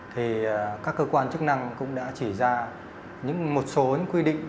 thì các cơ quan chức năng cũng đã chỉ ra những một số quy định